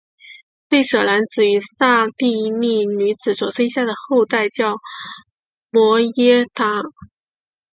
吠舍男子与刹帝利女子所生下的后代叫做摩偈闼。